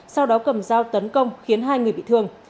sau đó cầm dao tấn công khiến hai người bị thương